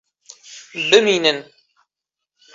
Bimînin!